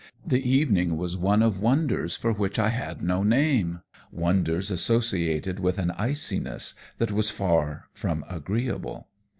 The evening was one of wonders for which I had no name wonders associated with an iciness that was far from agreeable.